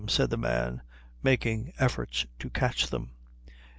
said the man, making efforts to catch them.